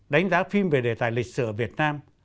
đánh giá phim về đề tài lịch sử việt nam